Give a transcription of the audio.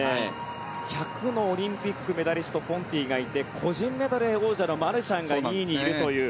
１００のオリンピックメダリストポンティがいて個人メドレー王者のマルシャンが２位にいるという。